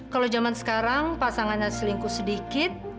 kalau zaman sekarang pasangannya selingkuh sedikit